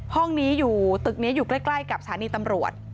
ห้องนี้อยู่ตึกนี้อยู่ใกล้กับสถานีตำรวจ